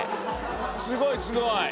すごいすごい。